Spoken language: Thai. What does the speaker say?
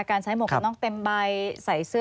การใช้หมวกกับนอกเต็มใบ